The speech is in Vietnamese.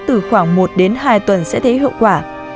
từ khoảng một đến hai tuần sẽ thấy hậu quả